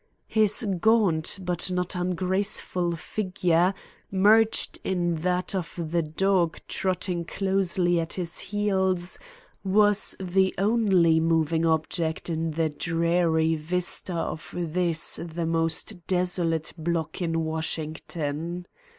His gaunt but not ungraceful figure, merged in that of the dog trotting closely at his heels, was the only moving object in the dreary vista of this the most desolate block in Washington.